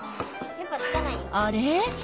あれ？